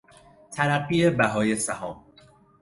ترقی بهای سهام